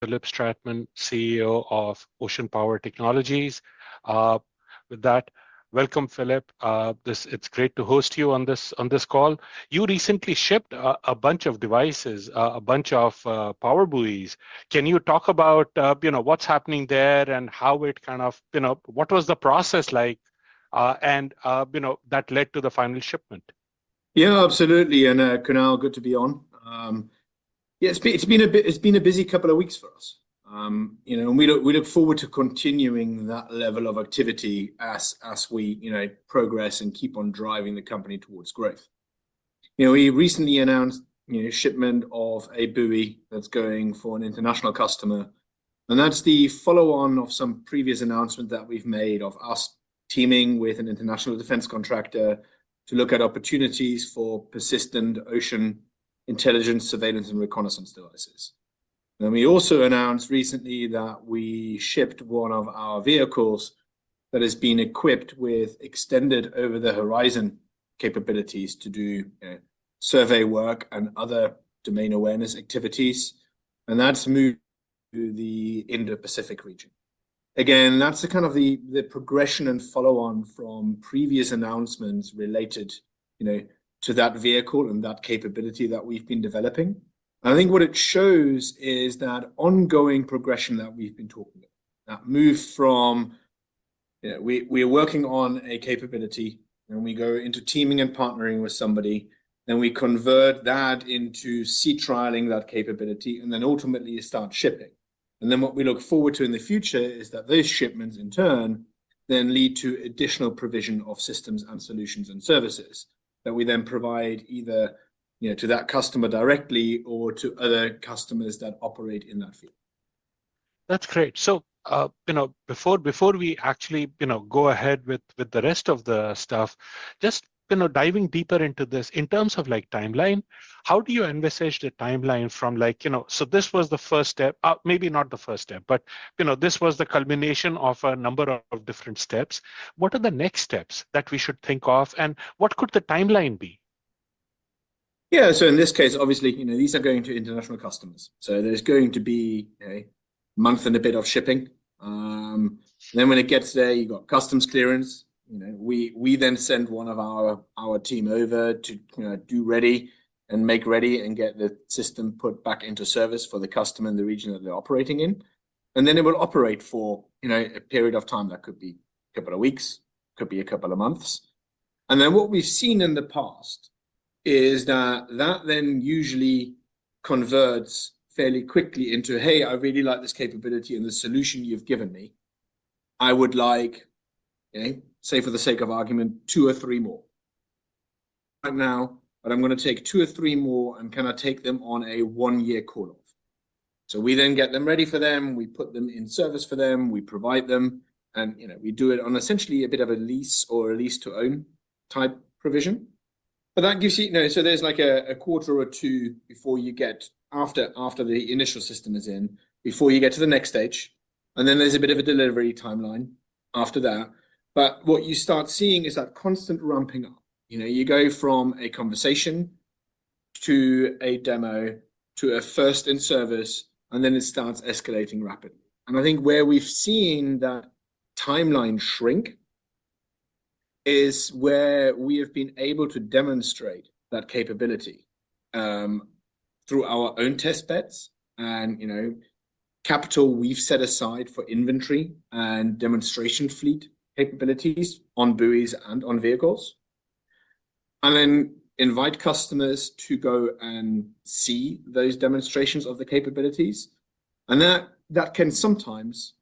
Philipp Stratmann, CEO of Ocean Power Technologies. With that, welcome, Philipp. This—it's great to host you on this—on this call. You recently shipped a—a bunch of devices, a bunch of PowerBuoys. Can you talk about, you know, what's happening there and how it kind of, you know, what was the process like, and, you know, that led to the final shipment? Yeah, absolutely. And, Kunal, good to be on. Yeah, it's been a bit—it's been a busy couple of weeks for us. You know, and we look forward to continuing that level of activity as we, you know, progress and keep on driving the company towards growth. You know, we recently announced, you know, shipment of a buoy that's going for an international customer. And that's the follow-on of some previous announcement that we've made of us teaming with an international defense contractor to look at opportunities for persistent ocean intelligence, surveillance, and reconnaissance devices. And we also announced recently that we shipped one of our vehicles that has been equipped with extended over-the-horizon capabilities to do, you know, survey work and other domain awareness activities. And that's moved to the Indo-Pacific region. Again, that's kind of the progression and follow-on from previous announcements related, you know, to that vehicle and that capability that we've been developing. I think what it shows is that ongoing progression that we've been talking about, that move from, you know, we are working on a capability, and we go into teaming and partnering with somebody, then we convert that into sea trialing that capability, and ultimately you start shipping. What we look forward to in the future is that those shipments, in turn, then lead to additional provision of systems and solutions and services that we then provide either, you know, to that customer directly or to other customers that operate in that field. That's great. You know, before we actually, you know, go ahead with the rest of the stuff, just, you know, diving deeper into this in terms of, like, timeline, how do you envisage the timeline from, like, you know, so this was the first step, maybe not the first step, but, you know, this was the culmination of a number of different steps. What are the next steps that we should think of, and what could the timeline be? Yeah. In this case, obviously, you know, these are going to international customers. There's going to be, you know, a month and a bit of shipping. Then when it gets there, you've got customs clearance. We then send one of our team over to, you know, do ready and make ready and get the system put back into service for the customer in the region that they're operating in. It will operate for, you know, a period of time. That could be a couple of weeks. It could be a couple of months. What we've seen in the past is that that then usually converts fairly quickly into, "Hey, I really like this capability and the solution you've given me. I would like, you know, say for the sake of argument, two or three more. Right now, but I'm going to take two or three more, and can I take them on a one-year call-off? We then get them ready for them. We put them in service for them. We provide them. You know, we do it on essentially a bit of a lease or a lease-to-own type provision. That gives you—you know, so there's like a quarter or two before you get—after the initial system is in, before you get to the next stage. There is a bit of a delivery timeline after that. What you start seeing is that constant ramping up. You go from a conversation to a demo to a first in service, and then it starts escalating rapidly. I think where we've seen that timeline shrink is where we have been able to demonstrate that capability, through our own test beds and, you know, capital we've set aside for inventory and demonstration fleet capabilities on buoys and on vehicles. Then invite customers to go and see those demonstrations of the capabilities. That can sometimes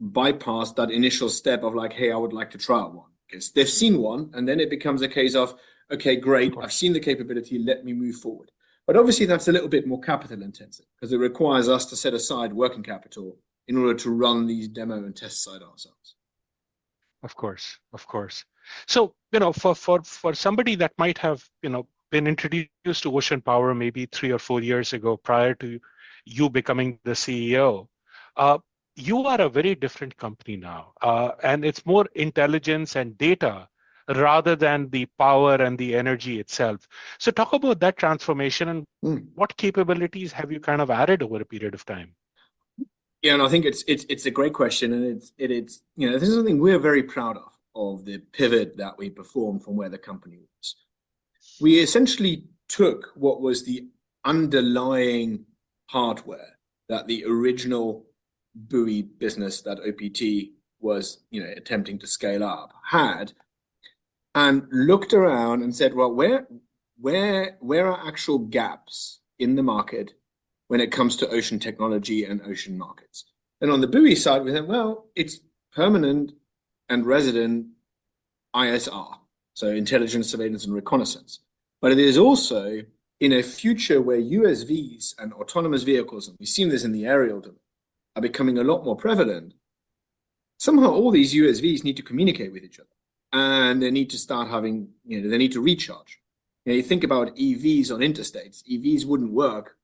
bypass that initial step of like, "Hey, I would like to try out one," because they've seen one, and then it becomes a case of, "Okay, great. I've seen the capability. Let me move forward." Obviously, that's a little bit more capital-intensive because it requires us to set aside working capital in order to run these demo and test side ourselves. Of course. Of course. So, you know, for somebody that might have, you know, been introduced to Ocean Power maybe three or four years ago prior to you becoming the CEO, you are a very different company now. It is more intelligence and data rather than the power and the energy itself. Talk about that transformation and what capabilities have you kind of added over a period of time? Yeah. I think it's a great question. It's, you know, this is something we're very proud of, of the pivot that we performed from where the company was. We essentially took what was the underlying hardware that the original buoy business, that OPT was, you know, attempting to scale up, had and looked around and said, "Where are actual gaps in the market when it comes to ocean technology and ocean markets?" On the buoy side, we thought, "It's permanent and resident ISR," so intelligence, surveillance, and reconnaissance. It is also, in a future where USVs and autonomous vehicles—and we've seen this in the aerial domain—are becoming a lot more prevalent, somehow all these USVs need to communicate with each other. They need to start having, you know, they need to recharge. You know, you think about EVs on interstates. EVs wouldn't work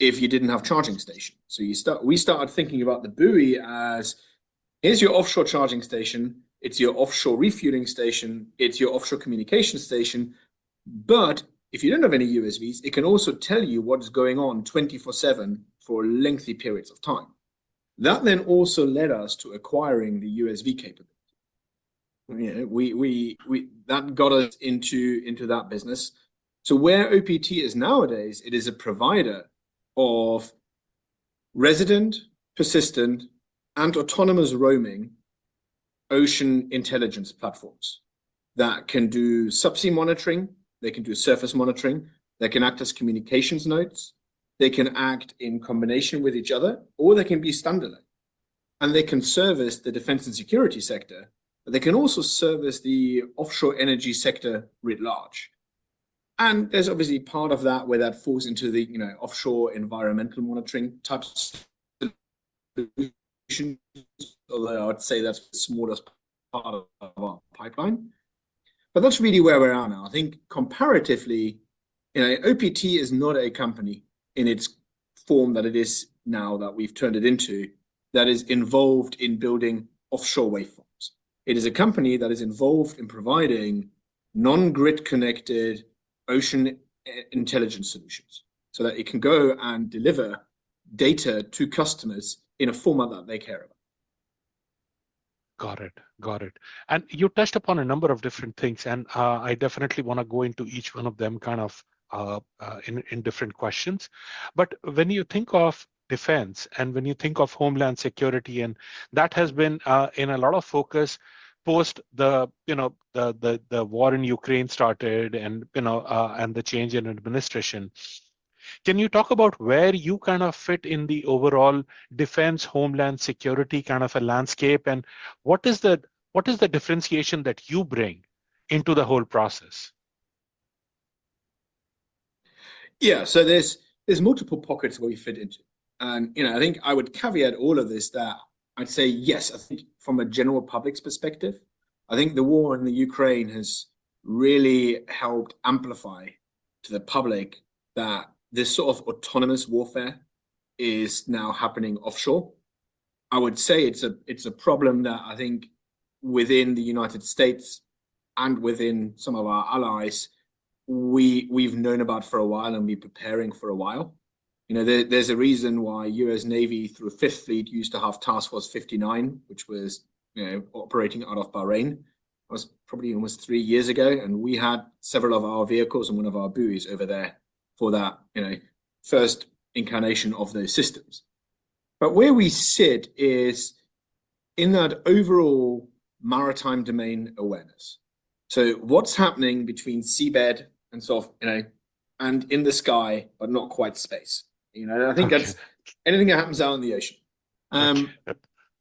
if you didn't have charging stations. You start—we started thinking about the buoy as, "Here's your offshore charging station. It's your offshore refueling station. It's your offshore communication station." If you don't have any USVs, it can also tell you what's going on 24/7 for lengthy periods of time. That then also led us to acquiring the USV capability. You know, that got us into that business. Where OPT is nowadays, it is a provider of resident, persistent, and autonomous roaming ocean intelligence platforms that can do subsea monitoring. They can do surface monitoring. They can act as communications nodes. They can act in combination with each other, or they can be standalone. They can service the defense and security sector, but they can also service the offshore energy sector writ large. There is obviously part of that where that falls into the, you know, offshore environmental monitoring types of solutions. Although I'd say that's the smallest part of our pipeline. That is really where we are now. I think comparatively, you know, OPT is not a company in its form that it is now that we've turned it into that is involved in building offshore waveforms. It is a company that is involved in providing non-grid connected ocean intelligence solutions so that it can go and deliver data to customers in a format that they care about. Got it. Got it. You touched upon a number of different things, and I definitely want to go into each one of them kind of in different questions. When you think of defense and when you think of homeland security, and that has been in a lot of focus post the, you know, the war in Ukraine started and, you know, and the change in administration, can you talk about where you kind of fit in the overall defense homeland security kind of a landscape? What is the differentiation that you bring into the whole process? Yeah. There are multiple pockets where we fit into. You know, I think I would caveat all of this that I'd say, yes, I think from a general public's perspective, I think the war in Ukraine has really helped amplify to the public that this sort of autonomous warfare is now happening offshore. I would say it's a problem that I think within the United States and within some of our allies, we've known about for a while and we're preparing for a while. You know, there is a reason why U.S. Navy through 5th Fleet used to have Task Force 59, which was operating out of Bahrain. That was probably almost three years ago. We had several of our vehicles and one of our buoys over there for that first incarnation of those systems. Where we sit is in that overall maritime domain awareness. What's happening between seabed and, you know, in the sky, but not quite space. You know, I think that's anything that happens out in the ocean,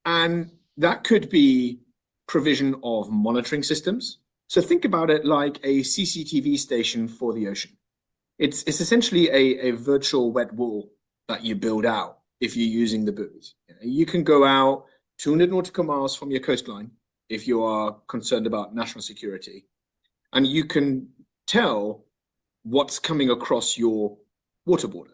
and that could be provision of monitoring systems. Think about it like a CCTV station for the ocean. It's essentially a virtual wet wall that you build out if you're using the buoys. You can go out 200 nautical miles from your coastline if you are concerned about national security. You can tell what's coming across your water border,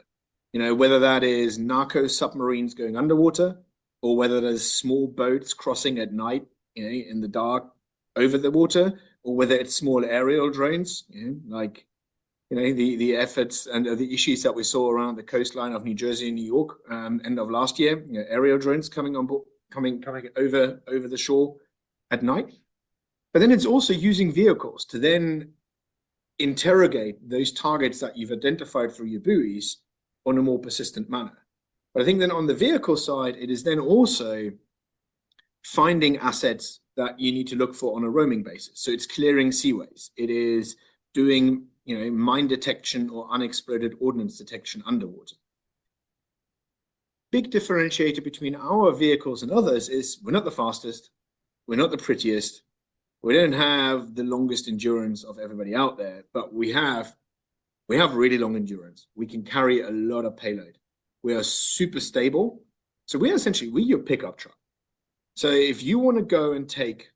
you know, whether that is narco submarines going underwater or whether there are small boats crossing at night, you know, in the dark over the water, or whether it's small aerial drones, you know, like the efforts and the issues that we saw around the coastline of New Jersey and New York, end of last year, you know, aerial drones coming on board, coming over the shore at night. It is also using vehicles to then interrogate those targets that you've identified through your buoys on a more persistent manner. I think then on the vehicle side, it is also finding assets that you need to look for on a roaming basis. It is clearing seaways. It is doing, you know, mine detection or unexploded ordnance detection underwater. Big differentiator between our vehicles and others is we're not the fastest. We're not the prettiest. We don't have the longest endurance of everybody out there, but we have really long endurance. We can carry a lot of payload. We are super stable. So we are essentially—we're your pickup truck. If you want to go and take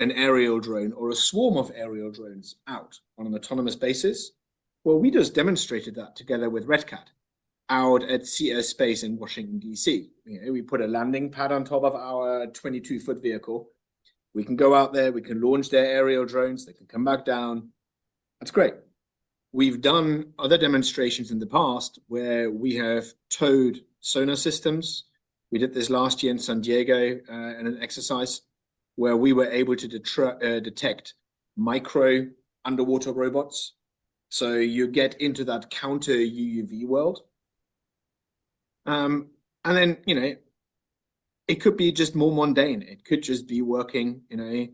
an aerial drone or a swarm of aerial drones out on an autonomous basis, we just demonstrated that together with RedCat out at CS Space in Washington, DC. You know, we put a landing pad on top of our 22-foot vehicle. We can go out there. We can launch their aerial drones. They can come back down. That's great. We've done other demonstrations in the past where we have towed sonar systems. We did this last year in San Diego, in an exercise where we were able to detect micro underwater robots. So you get into that counter-UUV world, and then, you know, it could be just more mundane. It could just be working, you know,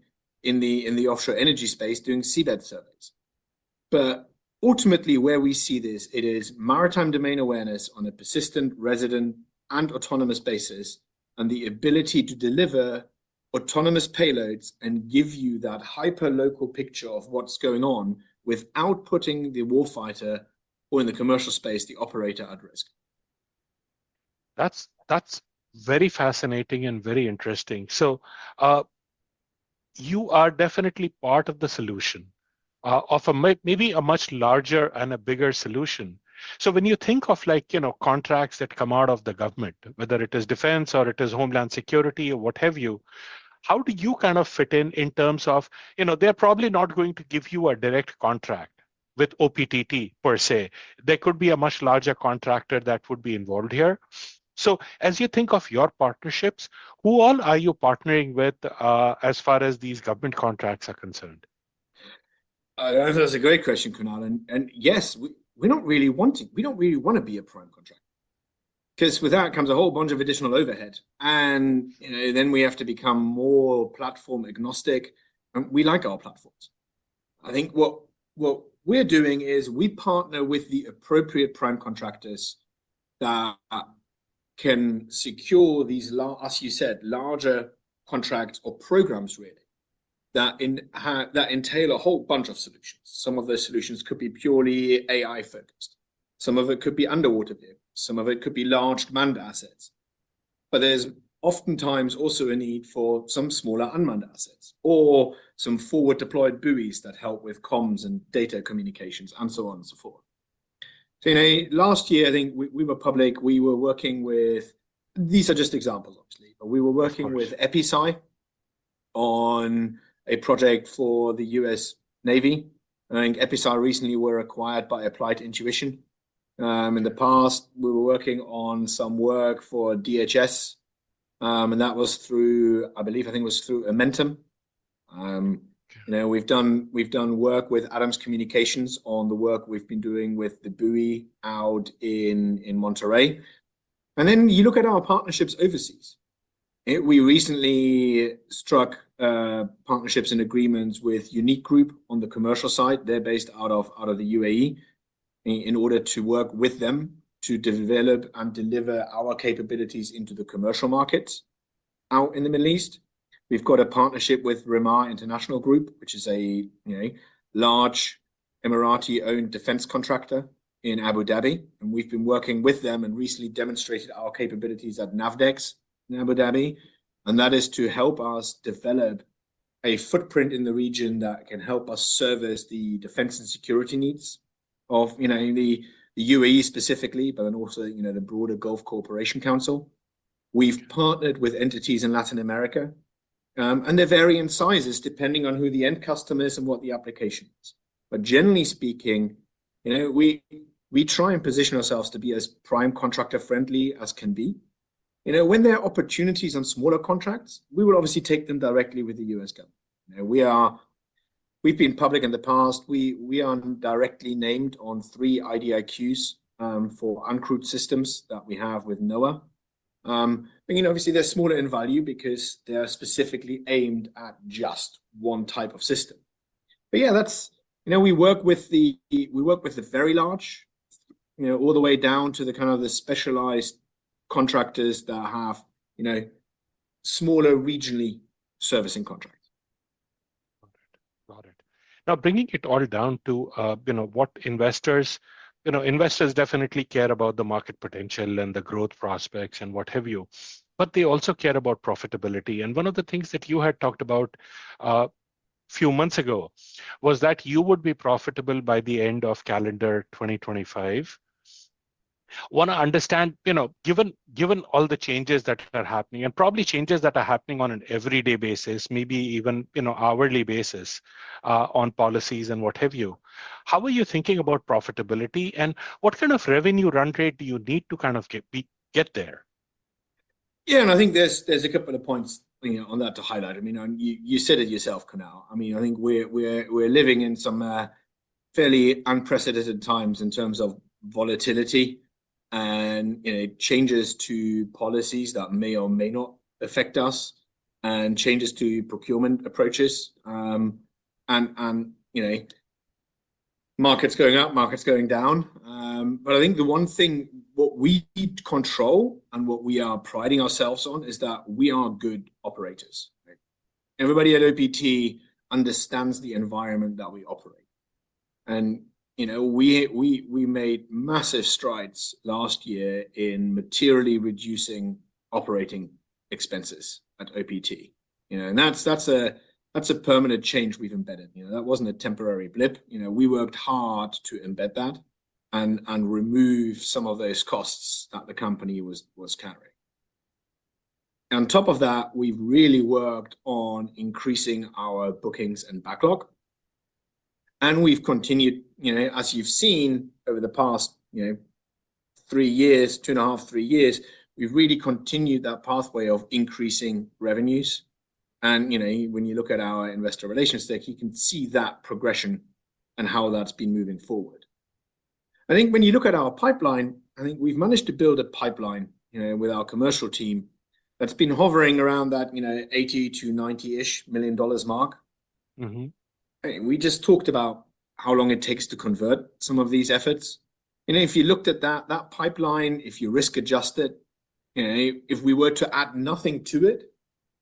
in the—in the offshore energy space doing seabed surveys. Ultimately, where we see this, it is maritime domain awareness on a persistent, resident, and autonomous basis, and the ability to deliver autonomous payloads and give you that hyper-local picture of what's going on without putting the warfighter or, in the commercial space, the operator, at risk. That's very fascinating and very interesting. You are definitely part of the solution, of a maybe a much larger and a bigger solution. When you think of, like, you know, contracts that come out of the government, whether it is defense or it is homeland security or what have you, how do you kind of fit in in terms of, you know, they're probably not going to give you a direct contract with OPTT per se. There could be a much larger contractor that would be involved here. As you think of your partnerships, who all are you partnering with, as far as these government contracts are concerned? That's a great question, Kunal. Yes, we don't really want to—we don't really want to be a prime contractor because with that comes a whole bunch of additional overhead. You know, then we have to become more platform agnostic. We like our platforms. I think what we're doing is we partner with the appropriate prime contractors that can secure these large, as you said, larger contracts or programs, really, that entail a whole bunch of solutions. Some of those solutions could be purely AI-focused. Some of it could be underwater vehicles. Some of it could be large manned assets. There's oftentimes also a need for some smaller unmanned assets or some forward-deployed buoys that help with comms and data communications and so on and so forth. You know, last year, I think we were public. We were working with—these are just examples, obviously—but we were working with EpiSci on a project for the U.S. Navy. I think EpiSci recently were acquired by Applied Intuition. In the past, we were working on some work for DHS, and that was through, I believe, I think it was through Amentum. You know, we've done work with Adams Communications on the work we've been doing with the buoy out in Monterey. You look at our partnerships overseas. We recently struck partnerships and agreements with Unique Group on the commercial side. They're based out of the UAE in order to work with them to develop and deliver our capabilities into the commercial markets out in the Middle East. We've got a partnership with Remah International Group, which is a, you know, large Emirati-owned defense contractor in Abu Dhabi. We have been working with them and recently demonstrated our capabilities at Navdex in Abu Dhabi. That is to help us develop a footprint in the region that can help us service the defense and security needs of, you know, the—the UAE specifically, but then also, you know, the broader Gulf Cooperation Council. We have partnered with entities in Latin America, and they vary in sizes depending on who the end customer is and what the application is. Generally speaking, you know, we—we try and position ourselves to be as prime contractor-friendly as can be. You know, when there are opportunities on smaller contracts, we would obviously take them directly with the US government. You know, we are—we have been public in the past. We—we are not directly named on three IDIQs for uncrewed systems that we have with NOAA. But, you know, obviously, they're smaller in value because they're specifically aimed at just one type of system. But yeah, that's—you know, we work with the—we work with the very large, you know, all the way down to the kind of the specialized contractors that have, you know, smaller regionally servicing contracts. Got it. Got it. Now, bringing it all down to, you know, what investors—you know, investors definitely care about the market potential and the growth prospects and what have you. They also care about profitability. One of the things that you had talked about a few months ago was that you would be profitable by the end of calendar 2025. Want to understand, you know, given—all the changes that are happening and probably changes that are happening on an everyday basis, maybe even, you know, hourly basis, on policies and what have you, how are you thinking about profitability and what kind of revenue run rate do you need to kind of get there? Yeah. I think there's a couple of points, you know, on that to highlight. I mean, you said it yourself, Kunal. I think we're living in some fairly unprecedented times in terms of volatility and, you know, changes to policies that may or may not affect us and changes to procurement approaches, and, you know, markets going up, markets going down. I think the one thing we control and what we are priding ourselves on is that we are good operators. Everybody at OPT understands the environment that we operate. You know, we made massive strides last year in materially reducing operating expenses at OPT. You know, that's a permanent change we've embedded. You know, that wasn't a temporary blip. We worked hard to embed that and remove some of those costs that the company was carrying. On top of that, we've really worked on increasing our bookings and backlog. We've continued, you know, as you've seen over the past, you know, three years, two and a half, three years, we've really continued that pathway of increasing revenues. You know, when you look at our investor relationship, you can see that progression and how that's been moving forward. I think when you look at our pipeline, I think we've managed to build a pipeline, you know, with our commercial team that's been hovering around that, you know, $80 million-$90 million mark. Mm-hmm. We just talked about how long it takes to convert some of these efforts. You know, if you looked at that, that pipeline, if you risk-adjust it, you know, if we were to add nothing to it,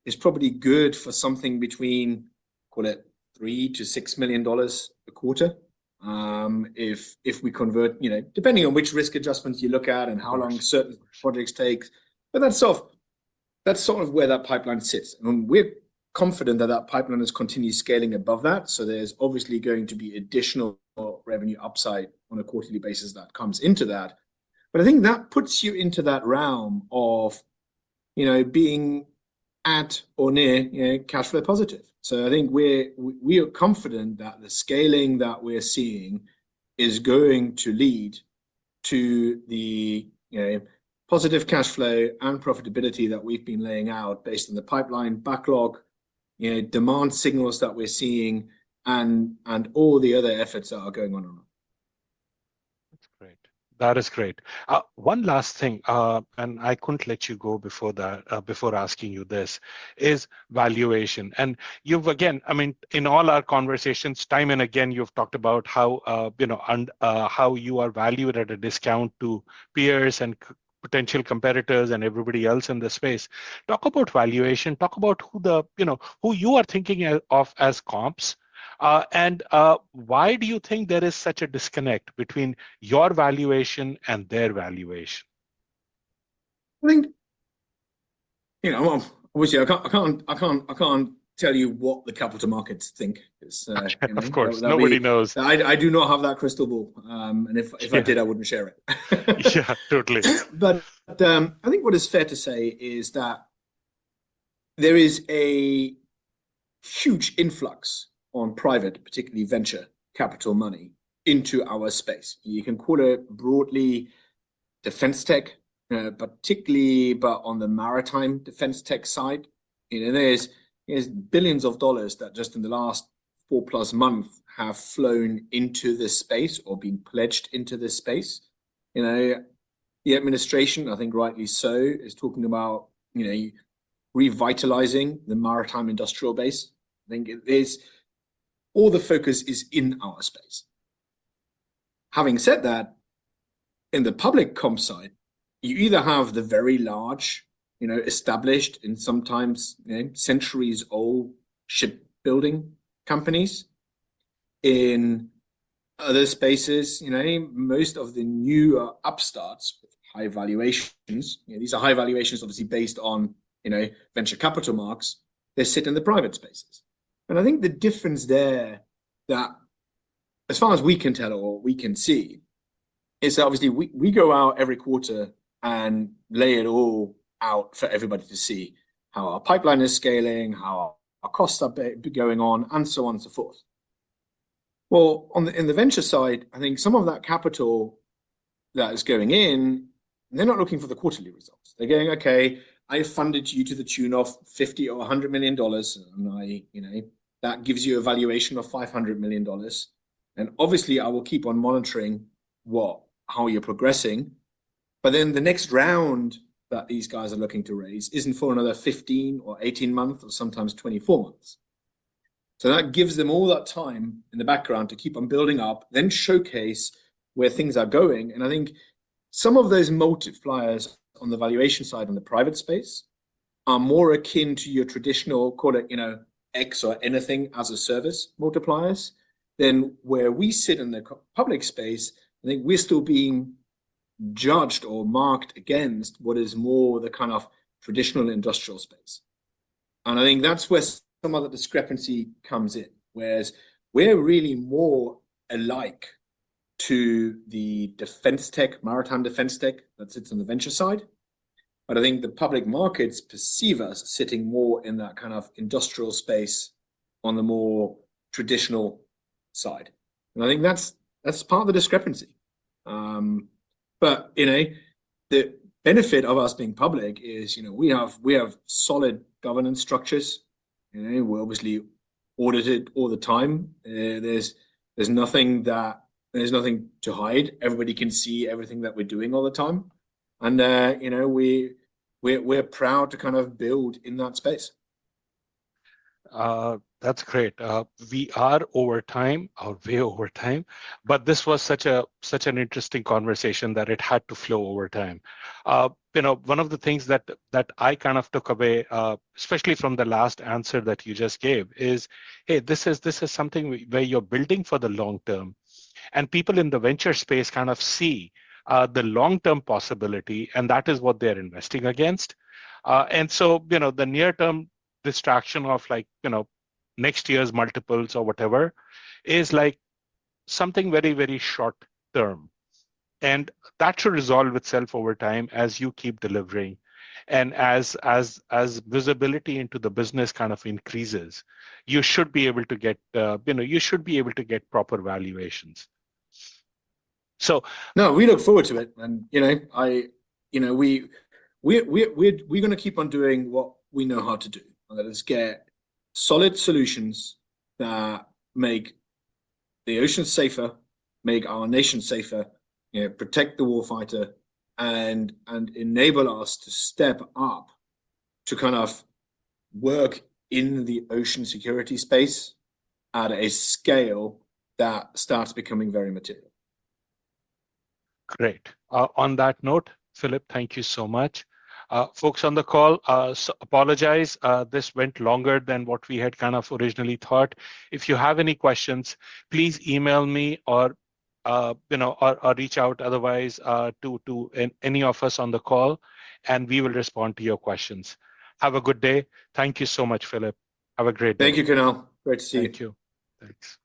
it's probably good for something between, call it, $3 million-$6 million a quarter. If—if we convert, you know, depending on which risk adjustments you look at and how long certain projects take. That is sort of—that is sort of where that pipeline sits. We are confident that that pipeline is continually scaling above that. There is obviously going to be additional revenue upside on a quarterly basis that comes into that. I think that puts you into that realm of, you know, being at or near, you know, cash flow positive. I think we are confident that the scaling that we are seeing is going to lead to the, you know, positive cash flow and profitability that we have been laying out based on the pipeline backlog, you know, demand signals that we are seeing, and all the other efforts that are going on and on. That's great. That is great. One last thing, and I couldn't let you go before that, before asking you this is valuation. And you've again, I mean, in all our conversations, time and again, you've talked about how, you know, and, how you are valued at a discount to peers and potential competitors and everybody else in the space. Talk about valuation. Talk about who the, you know, who you are thinking of as comps, and why do you think there is such a disconnect between your valuation and their valuation? I think, you know, obviously, I can't tell you what the capital markets think. Of course. Nobody knows. I do not have that crystal ball. If I did, I would not share it. Yeah, totally. I think what is fair to say is that there is a huge influx on private, particularly venture capital money into our space. You can call it broadly defense tech, particularly, but on the maritime defense tech side. You know, there are billions of dollars that just in the last four-plus months have flown into this space or been pledged into this space. The administration, I think rightly so, is talking about, you know, revitalizing the maritime industrial base. I think all the focus is in our space. Having said that, in the public comp side, you either have the very large, established and sometimes centuries-old shipbuilding companies in other spaces. Most of the newer upstarts with high valuations, these are high valuations obviously based on venture capital marks. They sit in the private spaces. I think the difference there that, as far as we can tell or we can see, is that obviously we go out every quarter and lay it all out for everybody to see how our pipeline is scaling, how our costs are going on, and so on and so forth. On the venture side, I think some of that capital that is going in, they're not looking for the quarterly results. They're going, "Okay, I funded you to the tune of $50 million or $100 million, and I, you know, that gives you a valuation of $500 million. Obviously, I will keep on monitoring how you're progressing." The next round that these guys are looking to raise isn't for another 15 or 18 months or sometimes 24 months. That gives them all that time in the background to keep on building up, then showcase where things are going. I think some of those multipliers on the valuation side in the private space are more akin to your traditional, call it, you know, X or anything as a service multipliers than where we sit in the public space. I think we're still being judged or marked against what is more the kind of traditional industrial space. I think that's where some of the discrepancy comes in, whereas we're really more alike to the defense tech, maritime defense tech that sits on the venture side. I think the public markets perceive us sitting more in that kind of industrial space on the more traditional side. I think that's part of the discrepancy. You know, the benefit of us being public is, you know, we have solid governance structures. You know, we're obviously audited all the time. There's nothing that—there's nothing to hide. Everybody can see everything that we're doing all the time. You know, we're proud to kind of build in that space. That's great. We are over time, way over time. This was such an interesting conversation that it had to flow over time. You know, one of the things that I kind of took away, especially from the last answer that you just gave, is, hey, this is something where you're building for the long term. People in the venture space kind of see the long-term possibility, and that is what they're investing against. You know, the near-term distraction of, like, next year's multiples or whatever is something very, very short term. That should resolve itself over time as you keep delivering. As visibility into the business kind of increases, you should be able to get proper valuations. No, we look forward to it. You know, we're going to keep on doing what we know how to do. That is get solid solutions that make the ocean safer, make our nation safer, you know, protect the warfighter and enable us to step up to kind of work in the ocean security space at a scale that starts becoming very material. Great. On that note, Philipp, thank you so much. Folks on the call, apologize. This went longer than what we had kind of originally thought. If you have any questions, please email me or, you know, or reach out otherwise to any of us on the call, and we will respond to your questions. Have a good day. Thank you so much, Philipp. Have a great day. Thank you, Kunal. Great to see you. Thank you. Thanks.